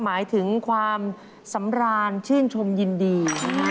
หมายถึงความสำราญชื่นชมยินดี